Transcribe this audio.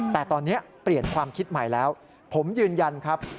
แต่ตอนนี้เปลี่ยนความคิดใหม่แล้วผมยืนยันครับ